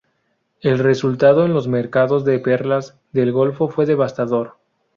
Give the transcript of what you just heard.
El resultado en los mercados de perlas del Golfo fue devastador.